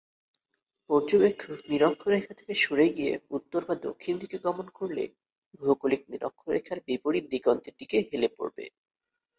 পর্যবেক্ষক নিরক্ষরেখা থেকে সরে গিয়ে উত্তর বা দক্ষিণ দিকে গমন করলে ভৌগোলিক নিরক্ষরেখা এর বিপরীত দিগন্তের দিকে হেলে পড়বে।